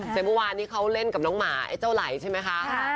แต่เมื่อวานนี้เขาเล่นกับน้องหมาไอ้เจ้าไหล่ใช่ไหมคะ